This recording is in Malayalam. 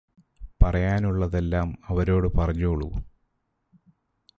പറയാനുള്ളതെല്ലാം അവരോട് പറഞ്ഞോളു